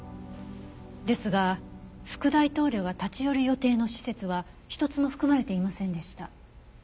ですが副大統領が立ち寄る予定の施設は一つも含まれていませんでした。